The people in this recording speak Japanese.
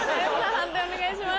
判定お願いします。